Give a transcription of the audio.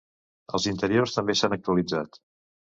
Els interiors també s'han actualitzat.